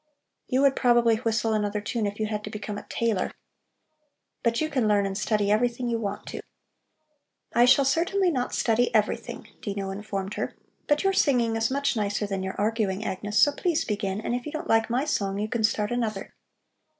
"You would probably whistle another tune if you had to become a tailor. But you can learn and study everything you want to." "I shall certainly not study everything," Dino informed her. "But your singing is much nicer than your arguing, Agnes, so please begin, and if you don't like my song, you can start another."